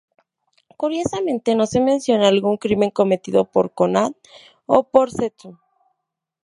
Curiosamente, no se menciona algún crimen cometido por Konan o por Zetsu.